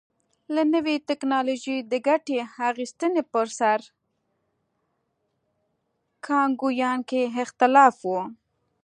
له نوې ټکنالوژۍ د ګټې اخیستنې پر سر کانګویانو کې اختلاف و.